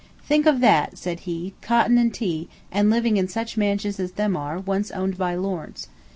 "Think of that," said he; "cotton and tea, and living in such mansions as them are, once owned by lords.